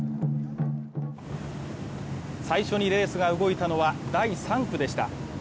最初にレースが動いたのは第３区でした。